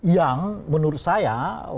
yang menurut saya